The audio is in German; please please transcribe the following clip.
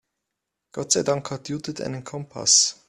Gott sei Dank hat Judith einen Kompass.